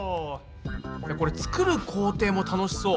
これ作る工程も楽しそう。